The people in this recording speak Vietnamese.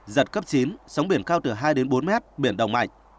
giật cấp chín sóng biển cao từ hai đến bốn mét biển động mạnh